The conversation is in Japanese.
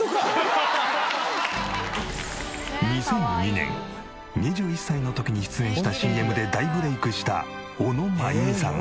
２００２年２１歳の時に出演したＣＭで大ブレイクした小野真弓さん。